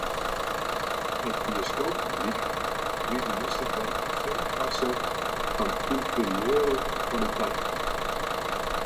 It bioskooppublyk krige juster wer in film foarset fan ynferieure kwaliteit.